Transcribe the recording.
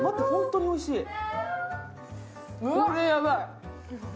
本当においしい。